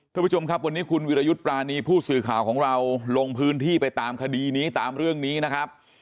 ทุกผู้ชมครับวันนี้คุณวิรยุทธ์ปรานีผู้สื่อข่าวของเราลงพื้นที่ไปตามคดีนี้ตามเรื่องนี้นะครับ